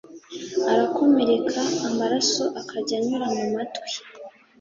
arakomereka amaraso akajya anyura mu matwi